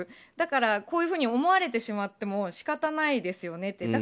だからこういうふうに思われてしまっても仕方ないですよねって。